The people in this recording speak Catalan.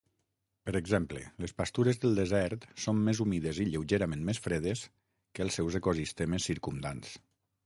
Per exemple, les pastures del desert són més humides i lleugerament més fredes que els seus ecosistemes circumdants.